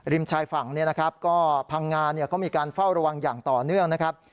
ชายฝั่งเนี่ยนะครับก็พังงาเขามีการเฝ้าระวังอย่างต่อเนื่องนะครับ